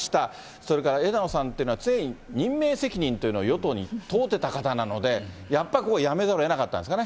それから枝野さんっていうのは、常に任命責任というのを与党に問うてた方なので、やっぱりここは辞めざるをえなかったんですかね。